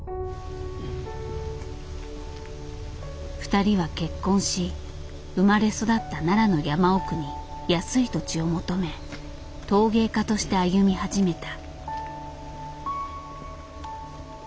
ふたりは結婚し生まれ育った奈良の山奥に安い土地を求め陶芸家として歩み始めた。